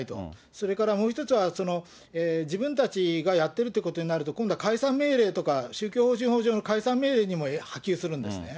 それからもう１つは、自分たちがやっているっていうことになると、今度は解散命令とか、宗教法人法上の解散命令にも波及するんですね。